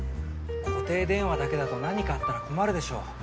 固定電話だけだと何かあったら困るでしょう。